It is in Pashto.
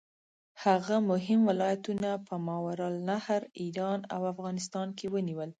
هغه مهم ولایتونه په ماوراالنهر، ایران او افغانستان کې ونیول.